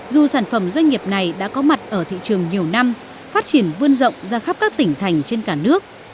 dù sản phẩm doanh nghiệp này đã có mặt ở thị trường nhiều năm phát triển vươn rộng ra khắp các tỉnh thành trên cả nước